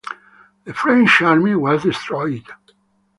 The French army was destroyed.